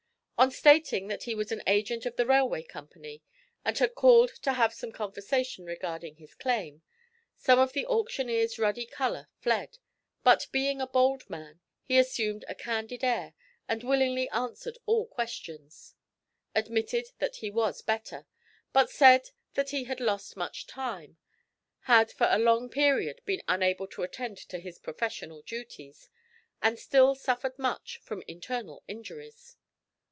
On stating that he was an agent of the railway company, and had called to have some conversation regarding his claim, some of the auctioneer's ruddy colour fled, but being a bold man, he assumed a candid air and willingly answered all questions; admitted that he was better, but said that he had lost much time; had for a long period been unable to attend to his professional duties, and still suffered much from internal injuries.